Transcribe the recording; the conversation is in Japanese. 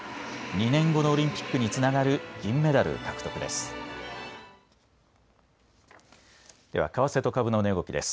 ２年後のオリンピックにつながる銀メダル獲得です。